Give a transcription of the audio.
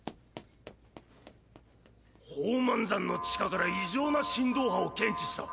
宝満山の地下から異常な震動波を検知した。